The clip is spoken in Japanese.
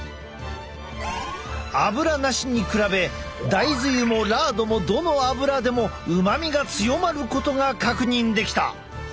アブラなしに比べ大豆油もラードもどのアブラでも旨味が強まることが確認できた。